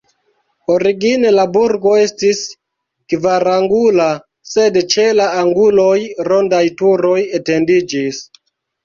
Origine la burgo estis kvarangula, sed ĉe la anguloj rondaj turoj etendiĝis.